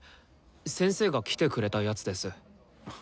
先生が来てくれたやつです。